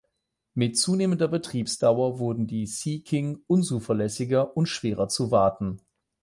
Mit zunehmender Betriebsdauer wurden die Sea King unzuverlässiger und schwerer zu warten.